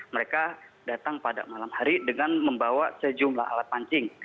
mereka datang pada malam hari dengan membawa sejumlah alat pancing